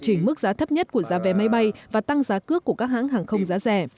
chỉnh mức giá thấp nhất của giá vé máy bay và tăng giá cước của các hãng hàng không giá rẻ